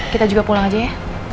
kita juga pulang aja ya